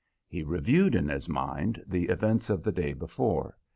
He reviewed in his mind the events of the day before.